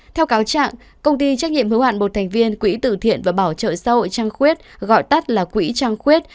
theo cáo trạng công ty trách nhiệm hữu hạn một thành viên quỹ tử thiện và bảo trợ xã hội trang khuyết gọi tắt là quỹ trăng khuyết